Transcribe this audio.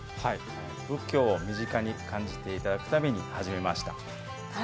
仏教を身近に感じていただくために始めました。